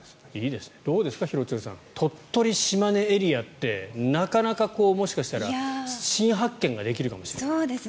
どうですか廣津留さん鳥取・島根エリアって新発見ができるかもしれない。